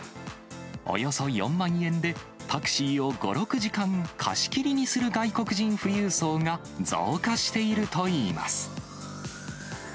およそ４万円で、タクシーを５、６時間貸し切りにする外国人富裕層が増加しているといいます。